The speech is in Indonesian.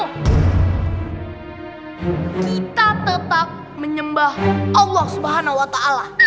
kita tetap menyembah allah subhanahu wa ta'ala